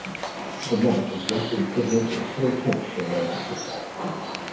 The mark is roughly equivalent to the fair catch in American football.